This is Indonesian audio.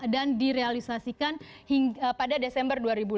dan direalisasikan pada desember dua ribu lima belas